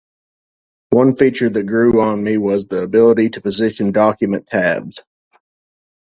One feature that grew on me was the ability to position document tabs.